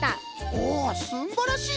おおすんばらしい